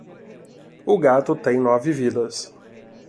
O gato tem nove vidas.